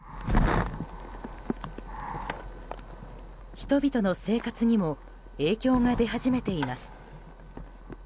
人々の生活にも影響が出始めています。